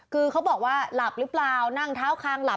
คือเขาบอกว่าหลับหรือเปล่านั่งเท้าคางหลับ